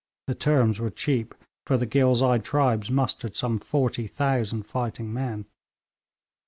The terms were cheap, for the Ghilzai tribes mustered some 40,000 fighting men.